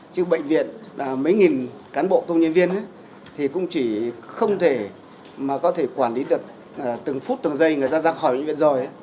chứ bệnh viện là mấy nghìn cán bộ công nhân viên thì cũng chỉ không thể mà có thể quản lý được từng phút từng giây người ta ra khỏi bệnh viện rồi